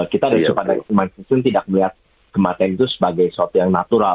kita dari suatu pandang kematian itu tidak melihat kematian itu sebagai sesuatu yang natural